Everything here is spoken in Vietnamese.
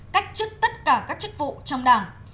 cách chức tất cả các chức vụ trong đảng